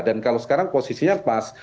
dan kalau sekarang posisinya pas